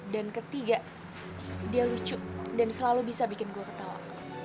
dan ketiga dia lucu dan selalu bisa bikin gue ketawa